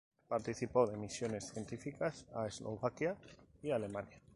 Participó de misiones científicas a Eslovaquia, Alemania.